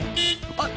あっ！